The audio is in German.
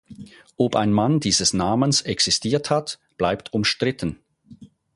Ob ein Mann dieses Namens existiert hat, bleibt umstritten.